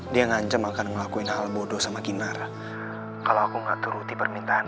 dia ngancam akan ngelakuin hal bodoh sama ginar kalau aku nggak turuti permintaan